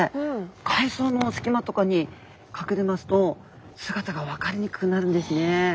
海藻のすきまとかにかくれますと姿が分かりにくくなるんですね。